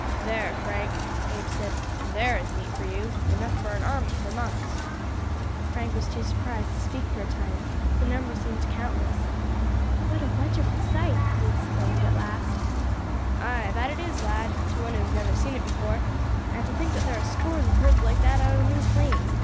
"There, Frank," Abe said, "there is meat for you enough for an army for months." Frank was too surprised to speak for a time; the number seemed countless. "What a wonderful sight!" he exclaimed at last. "Ay, that it is, lad, to one who has never seen it afore; and to think that thar are scores of herds like that out on these plains.